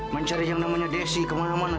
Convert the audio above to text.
mencari yang namanya desi kemana mana